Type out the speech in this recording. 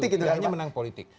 tidak hanya menang politik